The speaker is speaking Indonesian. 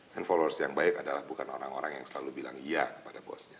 dan followers yang baik adalah bukan orang orang yang selalu bilang iya kepada bosnya